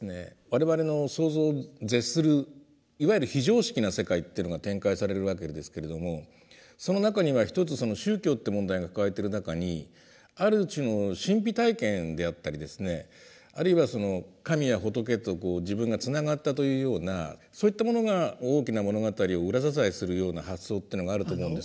我々の想像を絶するいわゆる非常識な世界っていうのが展開されるわけですけれどもその中には一つ宗教っていう問題が抱えている中にある種の神秘体験であったりですねあるいは神や仏と自分がつながったというようなそういったものが大きな物語を裏支えするような発想っていうのがあると思うんですが。